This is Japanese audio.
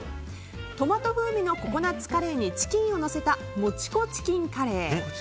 トマト風味のココナツカレーにチキンをのせたモチコチキンカレー。